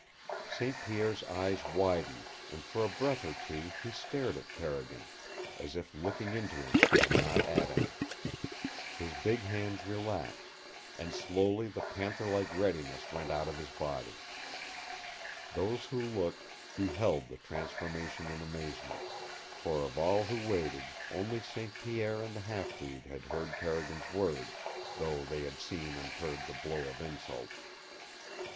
St. Pierre's eyes widened, and for a breath or two he stared at Carrigan, as if looking into him and not at him. His big hands relaxed, and slowly the panther like readiness went out of his body. Those who looked beheld the transformation in amazement, for of all who waited only St. Pierre and the half breed had heard Carrigan's words, though they had seen and heard the blow of insult.